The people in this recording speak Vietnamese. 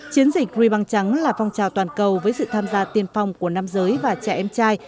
chiến dịch rebang trắng là phong trào toàn cầu với sự tham gia tiên phong của nam giới và trẻ em trai